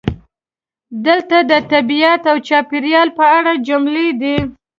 دلته د "طبیعت او چاپیریال" په اړه جملې دي: